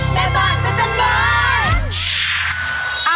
มันเป็นแบบนี้